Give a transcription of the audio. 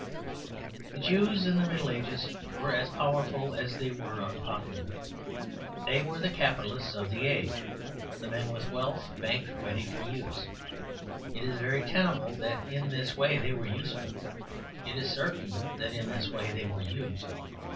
The Jews in the Middle Ages were as powerful as they were unpopular. They were the capitalists of the age, the men with wealth banked ready for use. It is very tenable that in this way they were useful; it is certain that in this way they were used.